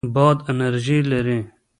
باد انرژي لري.